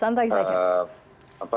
santai saja buat masyarakat